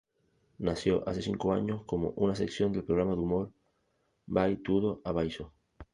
Nació hace cinco años como una sección del programa de humor "Vai tudo abaixo!